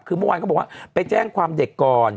คือเมื่อวานเขาบอกว่าไปแจ้งความเด็กก่อน